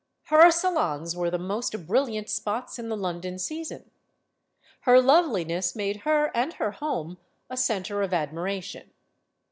Her salons were the most bril liant spots in the London season. Her loveliness made her and her home a center of admiration.